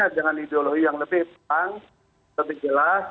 ya jangan ideologi yang lebih terang lebih jelas